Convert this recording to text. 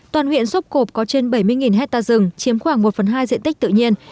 toàn huyện sốp cộp có trên bảy mươi hectare rừng chiếm khoảng một phần hai diện tích tự nhiên